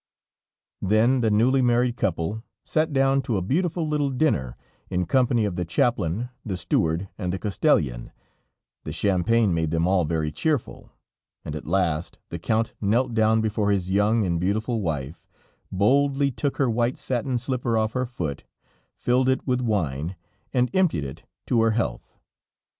Then the newly married couple sat down to a beautiful little dinner in company of the chaplain, the steward and the castellan; the champagne made them all very cheerful, and at last the Count knelt down before his young and beautiful wife, boldly took her white satin slipper off her foot, filled it with wine, and emptied it to her health.